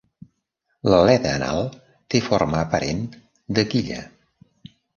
L'aleta anal té forma aparent de quilla.